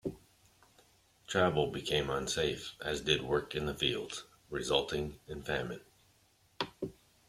Travel became unsafe, as did work in the fields, resulting in famine.